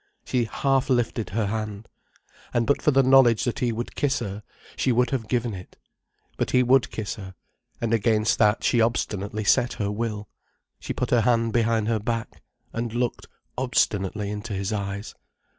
She half lifted her hand. And but for the knowledge that he would kiss her, she would have given it. But he would kiss her—and against that she obstinately set her will. She put her hand behind her back, and looked obstinately into his eyes.